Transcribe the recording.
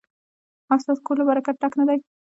ایا ستاسو کور له برکت ډک نه دی؟